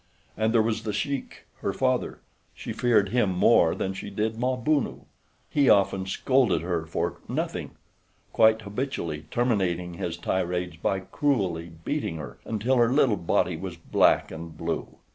And there was The Sheik, her father. She feared him more than she did Mabunu. He often scolded her for nothing, quite habitually terminating his tirades by cruelly beating her, until her little body was black and blue.